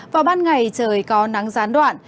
vào ban ngày trời có nắng gián đoạn